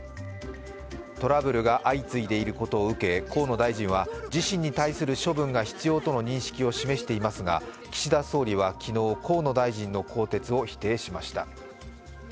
トラブルが相次いでいることを受け河野大臣は自身に対する処分が必要との認識を示していますが岸田総理は昨日、河野大臣の更迭を否定しました。